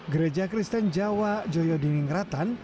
gereja kristen jawa joyo dining ratan